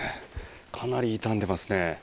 かなり傷んでますね。